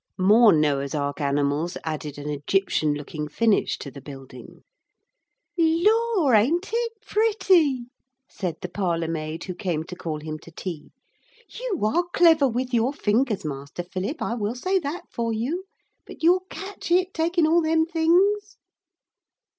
More Noah's Ark animals added an Egyptian looking finish to the building. 'Lor', ain't it pretty!' said the parlour maid, who came to call him to tea. 'You are clever with your fingers, Master Philip, I will say that for you. But you'll catch it, taking all them things.'